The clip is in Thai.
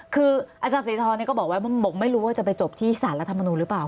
คืออาจารย์ศรีธรณ์เนี่ยก็บอกว่ามันบอกไม่รู้ว่าจะไปจบที่ศาลรัฐมนูลหรือเปล่า